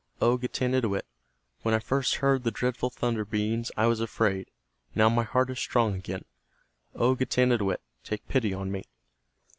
O Getanittowit, when I first heard the dreadful Thunder Beings I was afraid. Now my heart is strong again. O Getanittowit, take pity on me."